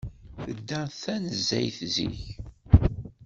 Tedda tanezzayt zik.